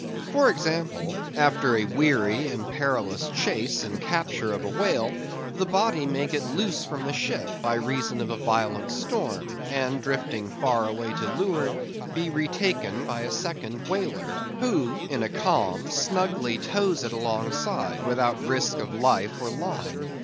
For example,—after a weary and perilous chase and capture of a whale, the body may get loose from the ship by reason of a violent storm; and drifting far away to leeward, be retaken by a second whaler, who, in a calm, snugly tows it alongside, without risk of life or line.